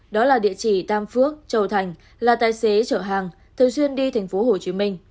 đó là địa chỉ tam phước châu thành là tài xế chở hàng thường xuyên đi tp hcm